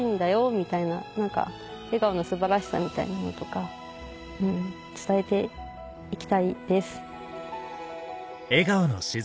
みたいな笑顔の素晴らしさみたいなのとか伝えて行きたいです。